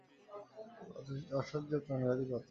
অসহ্য প্রাণঘাতী ব্যথা।